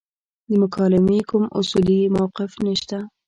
د مکالمې کوم اصولي موقف نشته.